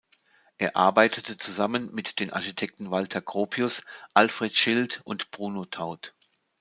Er arbeitete zusammen mit den Architekten Walter Gropius, Alfred Schild und Bruno Taut.